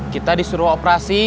kita disuruh operasi